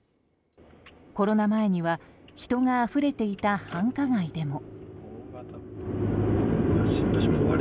コロナ前には人があふれていた繁華街でも。